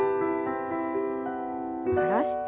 下ろして。